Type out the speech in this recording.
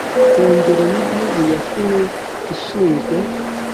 kongere y igihugu ya snic ishinzwe: